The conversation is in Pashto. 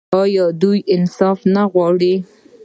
آیا او دوی انصاف نه غواړي؟